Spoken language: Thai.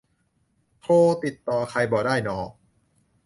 โทรติดต่อใครบ่ได้น่อ